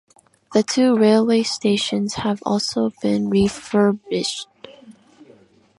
The two railway stations have also been refurbished.